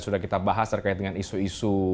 sudah kita bahas terkait dengan isu isu